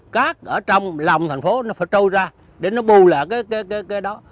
các ở trong lòng thành phố nó phải trôi ra để nó buồn lại cái đó